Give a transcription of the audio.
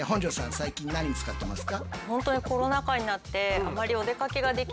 最近何に使ってますか？